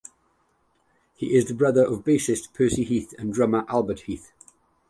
He is the brother of bassist Percy Heath and drummer Albert Heath.